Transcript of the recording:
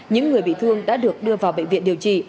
những người bị thương đã được đưa vào bệnh viện điều trị